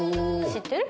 知ってる？